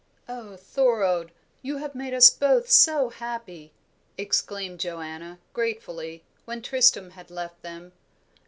"Oh, Thorold, you have made us both so happy!" exclaimed Joanna, gratefully, when Tristram had left them.